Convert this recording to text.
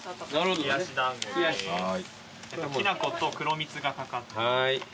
きな粉と黒蜜が掛かってます。